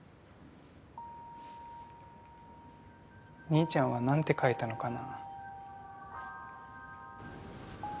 兄ちゃんはなんて書いたのかな。